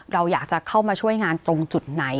เราอยากจะเข้ามาช่วยงานตรงจุดไหน